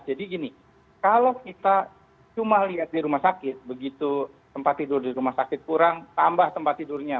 jadi gini kalau kita cuma lihat di rumah sakit begitu tempat tidur di rumah sakit kurang tambah tempat tidurnya